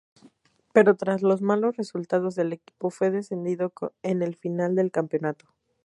Pero tras los malos resultados del equipo fue descendido en el final de campeonato.